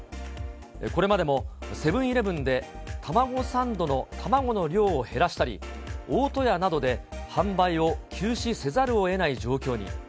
これまでもセブンーイレブンで卵サンドの卵の量を減らしたり、大戸屋などで販売を休止せざるをえない状況に。